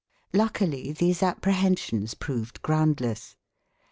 Luckily these apprehensions proved groundless.